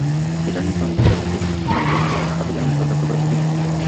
Returning কর্মকর্তার কাছে পুনরায় ভোট নেওয়ার দাবি জানিয়ে দরখাস্ত করেছে দীপেন।